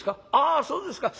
あそうですか。